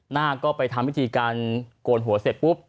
นาคก็ไปทำวิธีการโกนหัวเสร็จปุ๊บ